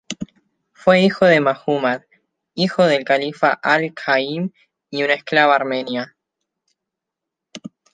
Fue hijo de Muhammad, hijo del califa Al-Qa'im, y una esclava armenia.